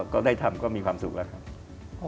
ก็ได้ทำก็มีความสุขแล้วครับ